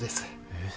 えっ